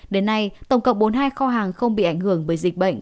đến nay tổng cộng bốn mươi hai kho hàng không bị ảnh hưởng bởi dịch bệnh